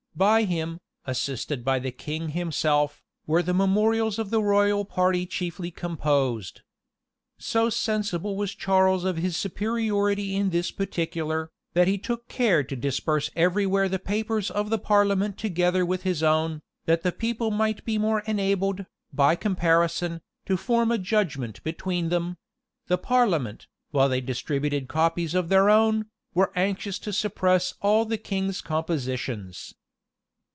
By him, assisted by the king himself, were the memorials of the royal party chiefly composed. So sensible was Charles of his superiority in this particular, that he took care to disperse every where the papers of the parliament together with his own, that the people might be the more enabled, by comparison, to form a judgment between them: the parliament, while they distributed copies of their own, were anxious to suppress all the king's compositions.